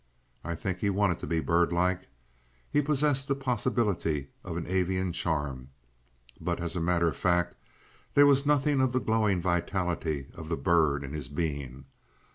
I think he wanted to be birdlike, he possessed the possibility of an avian charm, but, as a matter of fact, there was nothing of the glowing vitality of the bird in his being.